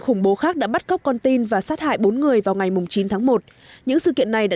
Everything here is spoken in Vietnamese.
khủng bố khác đã bắt cóc con tin và sát hại bốn người vào ngày chín tháng một những sự kiện này đã